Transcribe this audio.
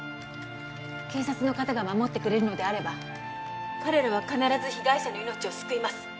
警察の方が守ってくれるのであれば彼らは必ず被害者の命を救います